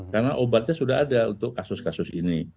karena obatnya sudah ada untuk kasus kasus ini